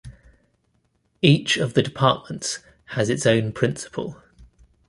Each of the departments has its own Principal.